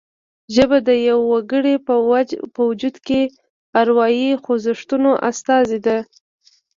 ژبه د یوه وګړي په وجود کې د اروايي خوځښتونو استازې ده